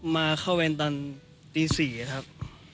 มาเข้าเวรตอนตี๔ครับ